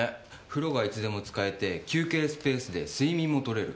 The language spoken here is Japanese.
風呂がいつでも使えて休憩スペースで睡眠も取れる。